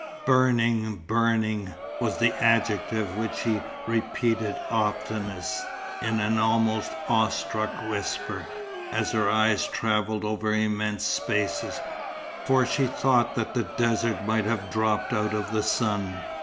"Burning, burning," was the adjective which she repeated oftenest, in an almost awestruck whisper, as her eyes travelled over immense spaces; for she thought that the desert might have dropped out of the sun.